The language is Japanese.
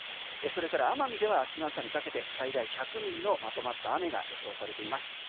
それから奄美では明日の朝にかけて最大１００ミリのまとまった雨が予想されています。